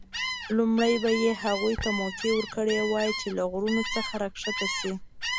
لومړی به یې هغوی ته موقع ورکړې وای چې له غرونو څخه راښکته شي.